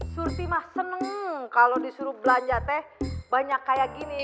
surfi mah seneng kalau disuruh belanja teh banyak kayak gini